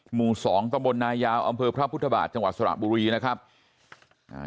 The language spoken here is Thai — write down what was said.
หมู่สองตำบลนายาวอำเภอพระพุทธบาทจังหวัดสระบุรีนะครับอ่า